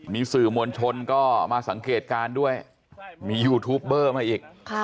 มีสื่อมวลชนก็มาสังเกตการณ์ด้วยมียูทูปเบอร์มาอีก